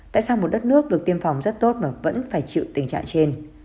tại sao một đất nước được tiêm phòng rất tốt mà vẫn phải chịu tình trạng trên